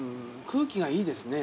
空気がいいですね